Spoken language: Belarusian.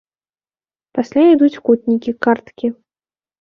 Пасля ідуць кутнікі, карткі.